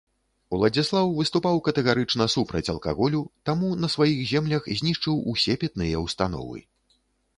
Уладзіслаў выступаў катэгарычна супраць алкаголю, таму на сваіх землях знішчыў усе пітныя ўстановы.